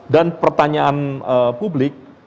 dan pertanyaan publik